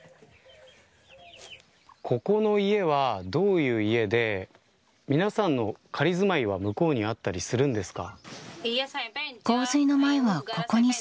ここの家はどういう家で皆さんの仮住まいは向こうにあったりするんですか。